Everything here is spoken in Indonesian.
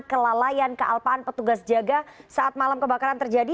kelalaian kealpaan petugas jaga saat malam kebakaran terjadi